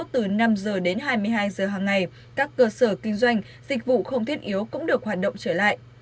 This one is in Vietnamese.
từ năm h đến hai mươi hai giờ hàng ngày các cơ sở kinh doanh dịch vụ không thiết yếu cũng được hoạt động trở lại